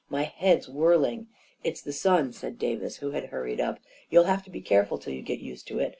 " My head's whirling ..." 44 It's the sun," said Davis, who had hurried up. " You'll have to be careful till you get used to it.